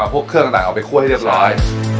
พวกเครื่องต่างเอาไปคั่วให้เรียบร้อย